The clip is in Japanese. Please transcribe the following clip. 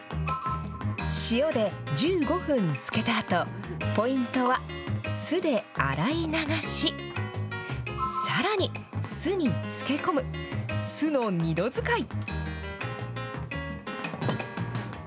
塩で１５分漬けたあと、ポイントは酢で洗い流し、さらに、酢に漬け込む、酢の２度使い。